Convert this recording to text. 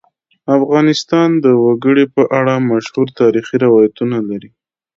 افغانستان د وګړي په اړه مشهور تاریخی روایتونه لري.